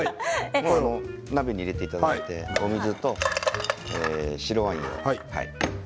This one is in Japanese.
鍋に入れていただいてお水と白ワイン。